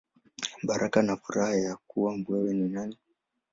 Baraka na Furaha Ya Kuwa Wewe Ni Nani.